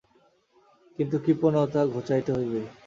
কিন্তু কৃপণতা ঘুচাইতে হইবে।